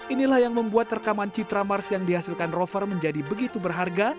inilah yang membuat rekaman citra mars yang dihasilkan rover menjadi begitu berharga